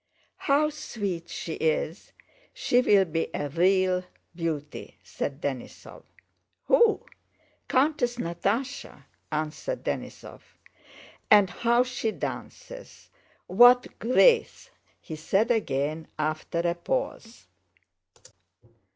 "How sweet she is—she will be a weal beauty!" said Denísov. "Who?" "Countess Natásha," answered Denísov. "And how she dances! What gwace!" he said again after a pause.